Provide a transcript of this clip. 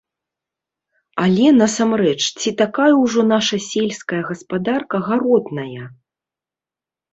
Але, насамрэч, ці такая ўжо наша сельская гаспадарка гаротная?